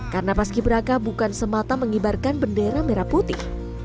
karena paski beraka bukan semata mengibarkan bendera merah putih